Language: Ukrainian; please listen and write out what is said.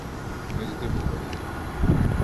Ми здивовані.